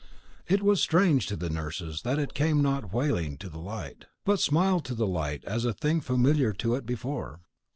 It was strange to the nurses that it came not wailing to the light, but smiled to the light as a thing familiar to it before.